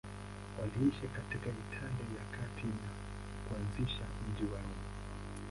Waliishi katika Italia ya Kati na kuanzisha mji wa Roma.